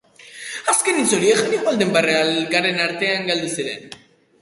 Azken hitz horiek Hanniwalden barre-algaren artean galdu ziren.